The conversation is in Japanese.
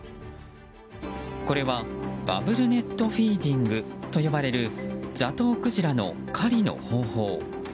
これはバブルネットフィーディングと呼ばれるザトウクジラの狩りの方法。